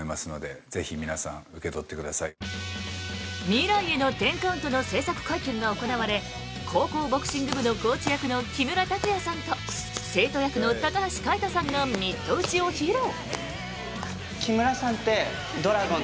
「未来への１０カウント」の制作会見が行われ高校ボクシング部のコーチ役の木村拓哉さんと生徒役の高橋海人さんがミット打ちを披露。